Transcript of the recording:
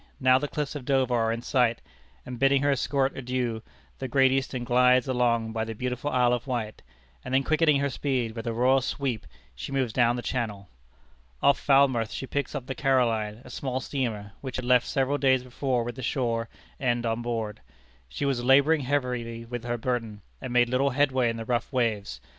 Now the cliffs of Dover are in sight, and bidding her escort adieu, the Great Eastern glides along by the beautiful Isle of Wight, and then quickening her speed, with a royal sweep, she moves down the Channel. Off Falmouth she picked up the Caroline, a small steamer, which had left several days before with the shore end on board. She was laboring heavily with her burden, and made little headway in the rough waves.